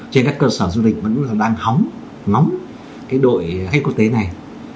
trên các cơ sở du lịch vẫn đang hóng ngóng cái đội khách quốc tế này